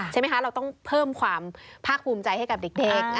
ใช่ไหมคะเราต้องเพิ่มความภาคภูมิใจให้กับเด็ก